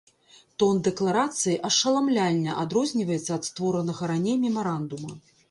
Тон дэкларацыі ашаламляльна адрозніваецца ад створанага раней мемарандума.